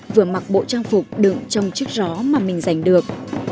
vừa mặc bộ trang phục đựng trong chiếc gió mà mình giành được